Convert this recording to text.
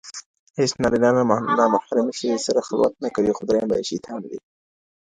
هيڅ نارينه له نامحرمي ښځي سره خلوت نکوي؛ خو درېيم به ئې شيطان وي